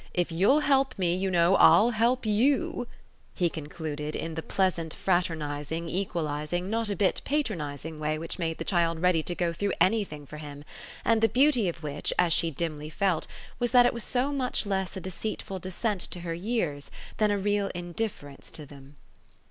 If you'll help me, you know, I'll help YOU," he concluded in the pleasant fraternising, equalising, not a bit patronising way which made the child ready to go through anything for him and the beauty of which, as she dimly felt, was that it was so much less a deceitful descent to her years than a real indifference to them.